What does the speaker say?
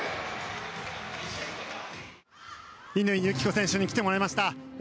乾友紀子選手に来てもらいました。